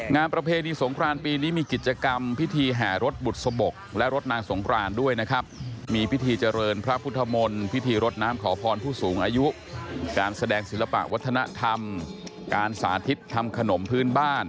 งานประเพดีสงกรานปีนี้มีกิจกรรมพิธีแห่รถบุษบกและรถนางสงกรานด้วยนะครับ